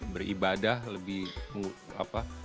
beribadah lebih apa